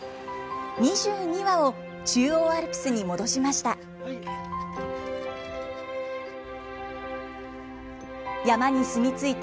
２２羽を中央アルプスに戻しました。